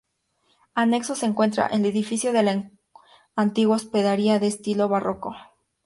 Anexo se encuentra el edificio de la antigua Hospedería de estilo barroco.